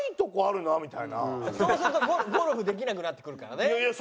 そうするとゴルフできなくなってくるからね。